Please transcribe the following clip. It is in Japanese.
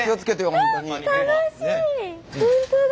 本当だ。